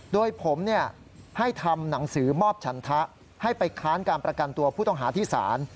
โดยผมให้ทำหนังสือมอบฉันทะให้ไปค้านการประกันตัวผู้ต้องหาที่ศาล